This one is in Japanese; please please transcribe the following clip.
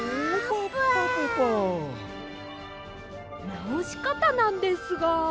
なおしかたなんですが。